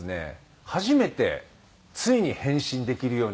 初めてついに変身できるようになったという。